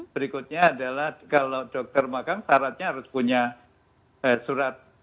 berikutnya adalah kalau dokter magang syaratnya harus punya surat